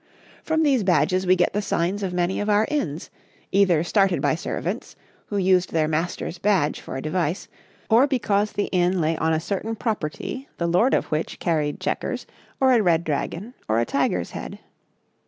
From these badges we get the signs of many of our inns, either started by servants, who used their master's badge for a device, or because the inn lay on a certain property the lord of which carried chequers, or a red dragon, or a tiger's head.